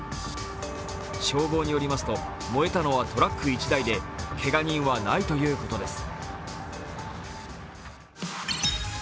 消防によりますと、燃えたのはトラック１台でけが人はないということです。